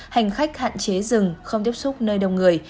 hành khách hạn chế rừng không tiếp xúc nơi đông người